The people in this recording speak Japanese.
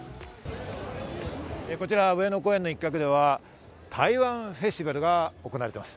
上野公園の一角では台湾フェスティバルが行われています。